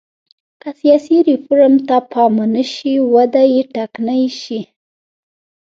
که سیاسي ریفورم ته پام ونه شي وده یې ټکنۍ شي.